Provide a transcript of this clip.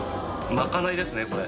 まかないですねこれ。